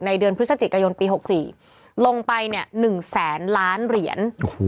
เดือนพฤศจิกายนปี๖๔ลงไป๑แสนล้านเหรียญ